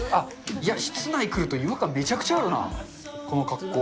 いや、室内来ると、違和感めちゃくちゃあるな、この格好。